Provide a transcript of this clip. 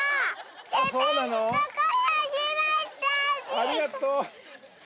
ありがとう。